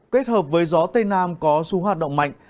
kết hợp với gió tây nam có xu hoạt động mạnh